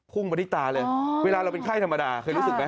ขุ่งบระดิตาเลยเวลาเราเป็นไข้ธรรมดาคือยินรู้สึกมั้ย